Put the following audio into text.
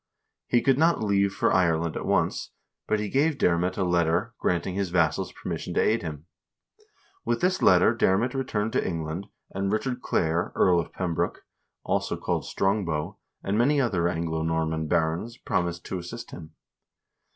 He could not leave for Ireland at once, but he gave Diarmait a letter granting his vassals permission to aid him. With this letter Diarmait returned to Eng land, and Richard Clare, Earl of Pembroke, also called Strongbow, and many other Anglo Norman barons promised to assist him.